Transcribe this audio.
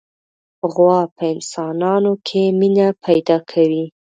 غوا په انسانانو کې مینه پیدا کوي.